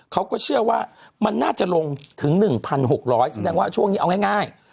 เขาก็เชื่อว่ามันน่าจะลงถึงหนึ่งพันหกร้อยแสดงว่าช่วงนี้เอาง่ายง่าย